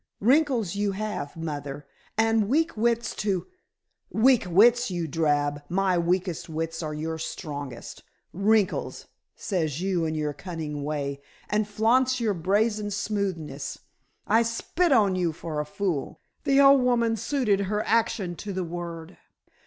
Wrinkles you have, mother, and weak wits to " "Weak wits, you drab? My weakest wits are your strongest. 'Wrinkles,' says you in your cunning way, and flaunts your brazen smoothness. I spit on you for a fool." The old woman suited her action to the word.